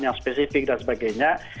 yang spesifik dan sebagainya